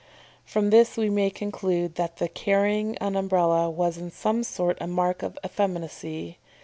"] From this we may conclude that the carrying an Umbrella was in some sort a mark of effeminacy.